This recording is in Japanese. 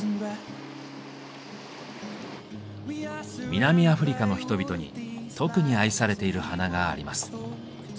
南アフリカの人々に特に愛されている花があります。